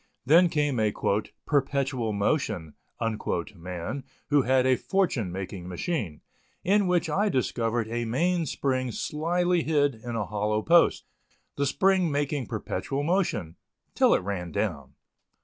Then came a "perpetual motion" man who had a fortune making machine, in which I discovered a main spring slyly hid in a hollow post, the spring making perpetual motion till it ran down.